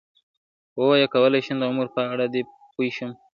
ووایه: کولای شم د عمر په اړه دې پوی شم؟